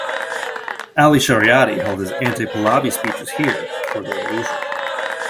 Ali Shariati held his anti-Pahlavi speeches here before the revolution.